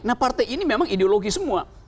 nah partai ini memang ideologi semua